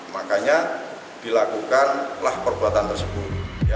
makanya dilakukanlah perbuatan tersebut